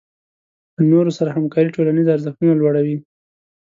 له نورو سره همکاري ټولنیز ارزښتونه لوړوي.